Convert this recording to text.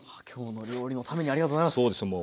「きょうの料理」のためにありがとうございます。